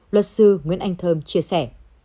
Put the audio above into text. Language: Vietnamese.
luật sư nguyễn anh thơm chia sẻ